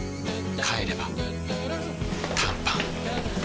帰れば短パン